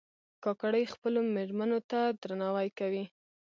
کاکړي خپلو مېلمنو ته درناوی کوي.